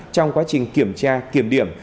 trong quá trình kiểm tra kiểm điểm